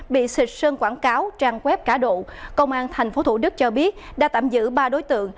bị xịt sơn quảng cáo tràn quép cả độ công an tp thủ đức cho biết đã tạm giữ ba đối tượng